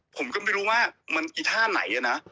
ผมก็ไม่รู้ว่ามันอีท่าไหนนะ